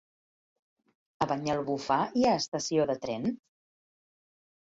A Banyalbufar hi ha estació de tren?